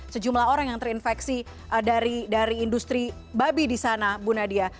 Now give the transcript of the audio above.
sejumlah orang yang terinfeksi dari industri babi di sana bu nadia